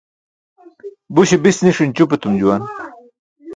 Buśe bis niṣin ćʰup etum juwan.